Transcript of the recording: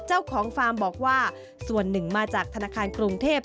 ฟาร์มบอกว่าส่วนหนึ่งมาจากธนาคารกรุงเทพ